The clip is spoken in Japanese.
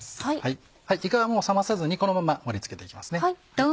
いかはもう冷まさずにこのまま盛り付けて行きます。